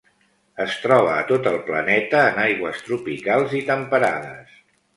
Es troba a tot el planeta en aigües tropicals i temperades.